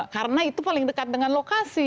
karena itu paling dekat dengan lokasi